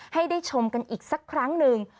ให้ได้ชมกันอีกสักครั้งหนึ่ง